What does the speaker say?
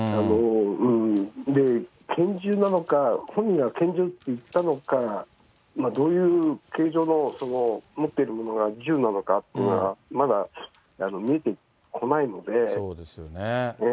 拳銃なのか、本人が拳銃と言ったのか、どういう形状の、持っているものが銃なのかというのがまだ見えてこないので。